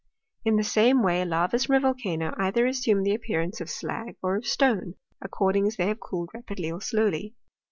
In the same way lavas from a volcano either assume the appearance of fe]a;r or of stone, according as they have cooled ra pidly or slowly.